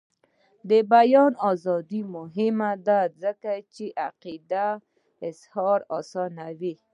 د بیان ازادي مهمه ده ځکه چې د عقیدې اظهار اسانوي.